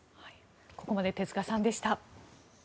ここまで手塚さんでした。